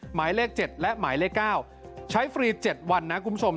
หมายเลข๗และหมายเลข๙ใช้ฟรี๗วันนะคุณผู้ชม